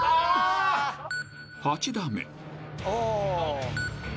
［８打目］